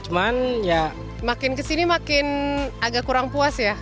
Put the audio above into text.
cuman ya makin kesini makin agak kurang puas ya